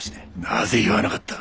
なぜ言わなかった？